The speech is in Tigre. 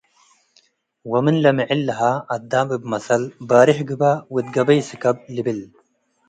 ወምን ለምዕል ለሀ አዳ'ም እብ መሰል፤ “ባርህ ግበእ ወእት ገበይ ስከብ” ልብል።